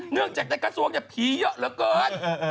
เนื่องจากในกระทรวงเนี่ยผีเยอะเหลือเกิน